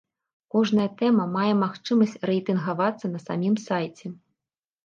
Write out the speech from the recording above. Кожная тэма мае магчымасць рэйтынгавацца на самім сайце.